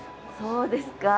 そうですか。